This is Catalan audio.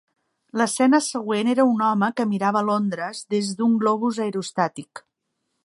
L'escena següent era un home que mirava Londres des d'un globus aerostàtic.